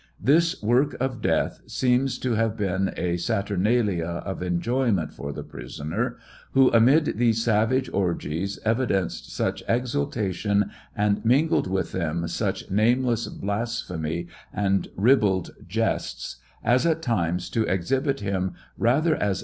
This work of death seems to have been a saturnalia of enjoyment for the prisoner, who amid these savage orgies evidenced such exultation and mingled with them such nameless blasphemy and ribald jests, as at times to exhibit him rather as 814 TRIAL OP HENRY WIEZ.